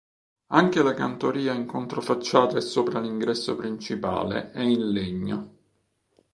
Anche la cantoria in controfacciata e sopra l'ingresso principale è in legno.